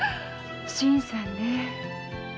新さんねえ。